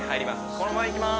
このままいきます